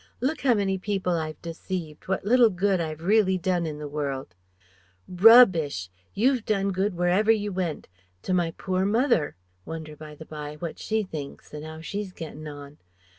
Look how many people I've deceived, what little good I've really done in the world " "Rub bish! You done good wherever you went ... to my pore mother wonder, by the bye, what she thinks and 'ow she's gettin' on?